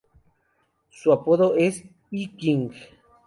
Su apodo es "E King".